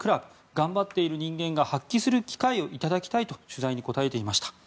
頑張っている人間が発揮する機会をいただきたいと取材に答えていました。